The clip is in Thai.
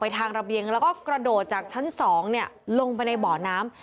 ทางระเบียงแล้วก็กระโดดจากชั้น๒ลงไปในบ่อน้ำ